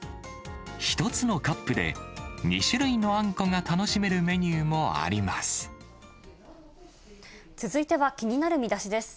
１つのカップで、２種類のあんこが楽しめるメニューもあります。